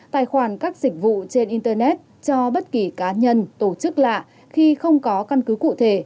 tài khoản các dịch vụ trên internet cho bất kỳ cá nhân tổ chức lạ khi không có căn cứ cụ thể